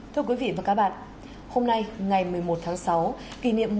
thưa quý vị và các bạn hôm nay ngày một mươi một tháng sáu kỷ niệm một trăm một mươi sáu